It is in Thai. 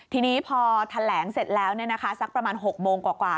ทีนี้พอแถลงเสร็จแล้วสักประมาณ๖โมงกว่า